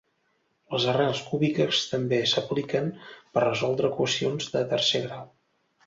Les arrels cúbiques també s'apliquen per resoldre equacions de tercer grau.